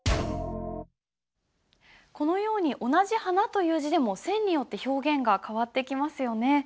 このように同じ「花」という字でも線によって表現が変わってきますよね。